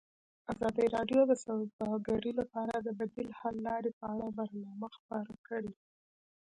ازادي راډیو د سوداګري لپاره د بدیل حل لارې په اړه برنامه خپاره کړې.